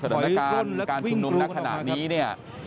ขออนุญาตการณ์การชุมนุมนักขนาดนี้